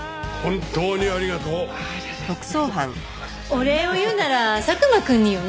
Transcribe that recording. お礼を言うなら佐久間くんによね。